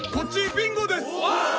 ビンゴです！